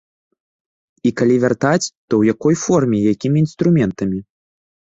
І калі вяртаць, то ў якой форме і якімі інструментамі?